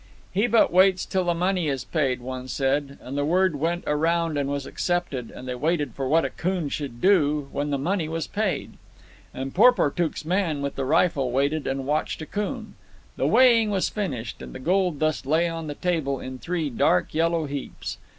"He but waits till the money is paid," one said; and the word went around and was accepted, and they waited for what Akoon should do when the money was paid. And Porportuk's man with the rifle waited and watched Akoon. The weighing was finished, and the gold dust lay on the table in three dark yellow heaps.